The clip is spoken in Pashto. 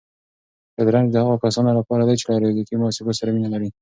شطرنج د هغو کسانو لپاره دی چې له ریاضیکي محاسبو سره مینه لري.